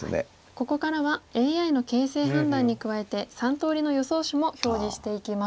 ここからはＡＩの形勢判断に加えて３通りの予想手も表示していきます。